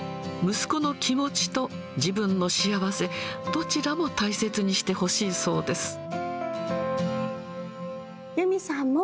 息子の気持ちと自分の幸せ、どちらも大切にしてほしいそうです。